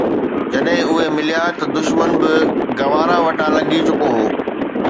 جڏهن اهي مليا ته دشمن به گوارا وٽان لنگهي چڪو هو